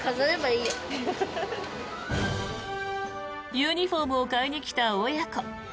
ユニホームを買いに来た親子。